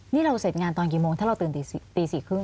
นี่เราเสร็จงานตอนกี่โมงถ้าเราตื่นตี๔๓๐